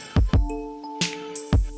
ditunggu ya pak